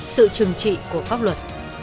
sự trừng trị của pháp luật